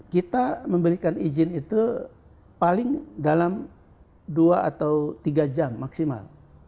kita memberikan izin itu paling dalam dua atau tiga jam maksimal